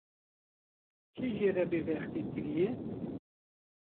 Kî jê re bêbextî kiriye